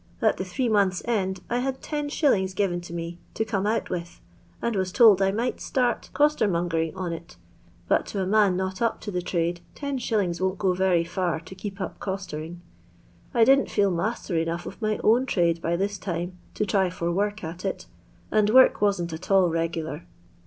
At the three nooths' end, I had 10«. given to me to come out with, and waa told I might atart coatennongering on it But to a man not up to the trade, 10s. won't go very fer to keep up eoetering. I didn't feel maaier enough of my own trade by tbia time to txy for work at it, and week wasn't at all regular.